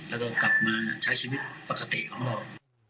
แล้วก็กลับมาใช้ชีวิตปกติของเรา